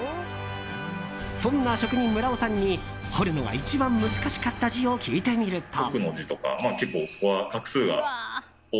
そんな職人・村尾さんに彫るのが一番難しかった字を聞いてみると。